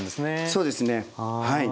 そうですね。